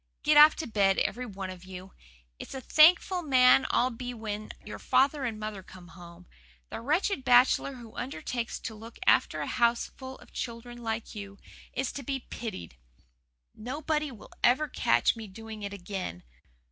"Get off to bed, every one of you. It's a thankful man I'll be when your father and mother come home. The wretched bachelor who undertakes to look after a houseful of children like you is to be pitied. Nobody will ever catch me doing it again.